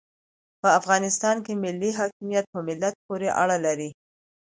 په افغانستان کې ملي حاکمیت په ملت پوري اړه لري.